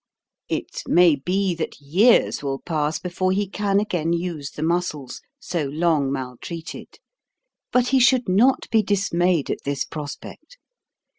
It may be that years will pass before he can again use the muscles, so long maltreated. But he should not be dismayed at this prospect.